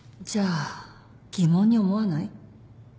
じゃあ疑問に思わない？